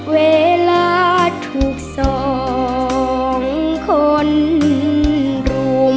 เวลาถูกสองคนรุม